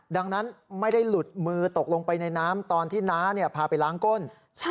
ดังนั้นไม่ได้หลุดมือตกลงไปในน้ำตอนที่น้าพาไปล้างก้น